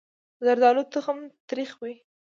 زردالو تخم تریخ وي.